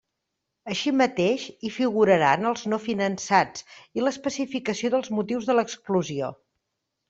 Així mateix, hi figuraran els no finançats i l'especificació dels motius de l'exclusió.